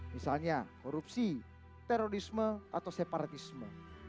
misalnya korupsi terorisme atau separatisme